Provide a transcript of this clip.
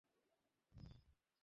তুমি পুলিশ ডাকবা?